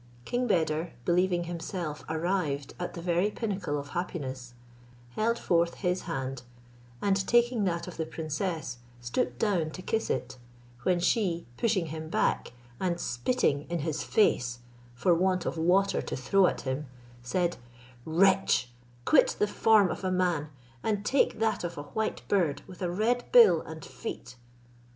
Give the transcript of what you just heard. King Beder, believing himself arrived at the very pinnacle of happiness, held forth his hand, and taking that of the princess, stooped down to kiss it, when she, pushing him back, and spitting in his face for want of water to throw at him, said, "Wretch, quit the form of a man, and take that of a white bird, with a red bill and feet."